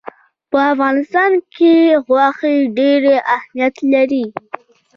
په افغانستان کې غوښې ډېر اهمیت لري.